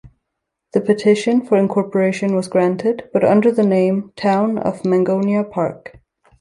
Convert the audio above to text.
The petition for incorporation was granted but under the name Town of Mangonia Park.